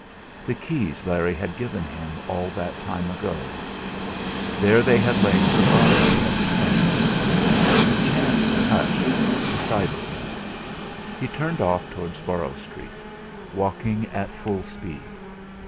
The keys Larry had given him all that time ago. There they had lain forgotten ever since. The chance touch decided him. He turned off towards Borrow Street, walking at full speed.